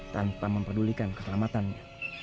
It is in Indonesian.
tanpa memperdulikan keselamatannya